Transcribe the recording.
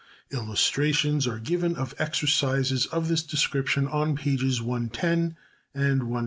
Illustrations are given of exercises of this description on pages 110 and 122.